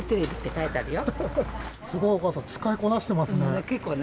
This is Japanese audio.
すごい、お母さん、使いこなしてますね。